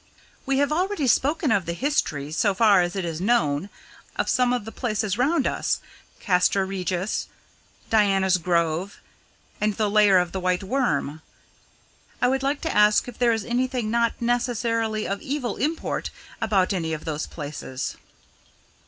"We have already spoken of the history, so far as it is known, of some of the places round us 'Castra Regis,' 'Diana's Grove,' and 'The Lair of the White Worm.' I would like to ask if there is anything not necessarily of evil import about any of the places?"